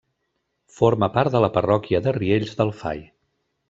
Forma part de la parròquia de Riells del Fai.